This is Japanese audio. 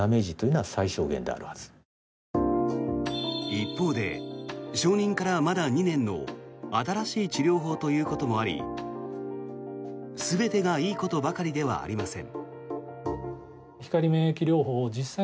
一方で、承認からまだ２年の新しい治療法ということもあり全てがいいことばかりではありません。